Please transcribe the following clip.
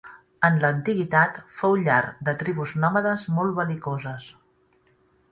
En l'antiguitat, fou llar de tribus nòmades molt bel·licoses.